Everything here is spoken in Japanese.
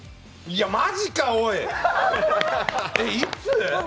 いや、マジか、おい！